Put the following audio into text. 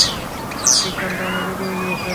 বিজ্ঞান তো অনেক এগিয়ে গিয়েছে।